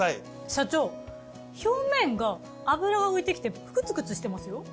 社長表面が油が浮いてきてクツクツしてますよ。